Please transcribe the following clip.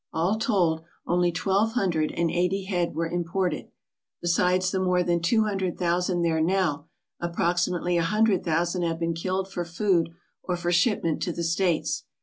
All told, only twelve hundred and eighty head were imported. Besides the more than two hundred thousand there now, approximately a hundred thousand have been killed for food or for shipment to the States.